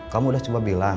kamu udah coba bilang